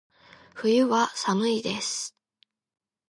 冬は、寒いです。